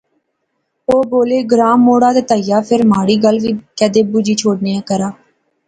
او بولے، گراں موہڑا تے تھیا فیر مہاڑی گل وی کیدے بجی شوڑنے کرا